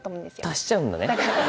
足しちゃうんだね。